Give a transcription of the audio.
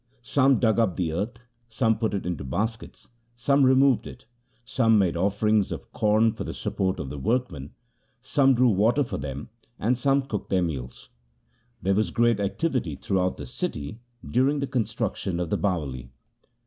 Some dug up the earth, some put it into baskets, some removed it, some made offerings of corn for the sup port of the workmen, some drew water for them, and some cooked their meals. There was great activity throughout the city during the construction of the Bawali.